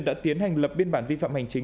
đã tiến hành lập biên bản vi phạm hành chính